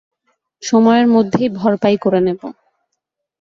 সময়ের মধ্যেই ভরপাই করে নেবো।